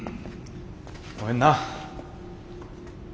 ごめんな。